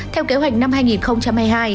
theo kế hoạch năm hai nghìn hai mươi hai